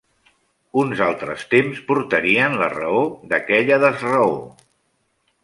Uns altres temps portarien la raó d'aquella desraó.